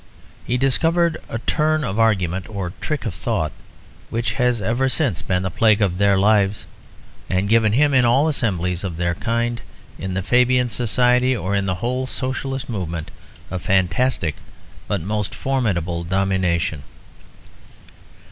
He discovered a turn of argument or trick of thought which has ever since been the plague of their lives, and given him in all assemblies of their kind, in the Fabian Society or in the whole Socialist movement, a fantastic but most formidable domination.